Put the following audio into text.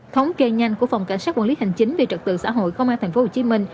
thống kê nhanh của phòng cảnh sát quản lý hành chính về trật tự xã hội công an tp hcm